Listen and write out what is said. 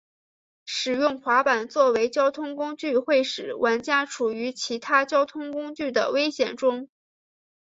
使用滑板作为交通工具会使玩家处于其他交通工具的危险中。